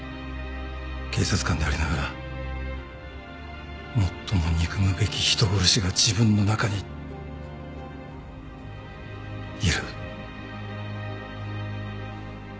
警察官でありながら最も憎むべき人殺しが自分の中にいる。